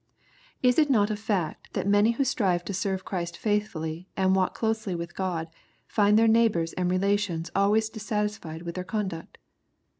Is it not a fact that many who strive to serve Christ faithfully, and walk closely with God, find their neighbors and relations always dissatisfied with their conduct